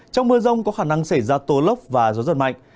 trong mưa rông có khả năng xảy ra tố lốc và gió giật mạnh